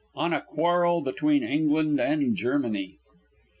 ON A QUARREL BETWEEN ENGLAND AND GERMANY.